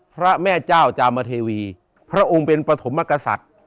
พระแม่เจ้าจามเทวีพระองค์เป็นปฐมกษัตริย์